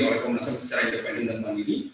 oleh komnas ham secara independen dan mandiri